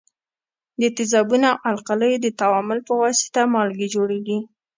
د تیزابو او القلیو د تعامل په واسطه مالګې جوړیږي.